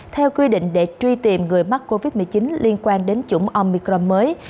theo quy định để truy tìm người mắc covid một mươi chín liên quan đến chủng omicron mới